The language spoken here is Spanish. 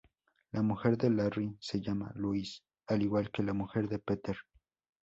La mujer de Larry se llama Lois al igual que la mujer de Peter.